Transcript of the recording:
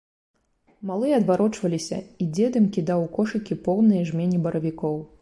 Малыя адварочваліся, і дзед ім кідаў у кошыкі поўныя жмені баравікоў.